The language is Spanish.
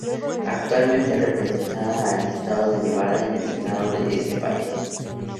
Actualmente representada al estado de Nevada en el Senado de ese país.